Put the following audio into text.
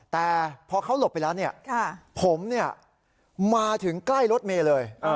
แต่พอเขาหลบไปแล้วผมมาถึงใกล้รถเมย์เลย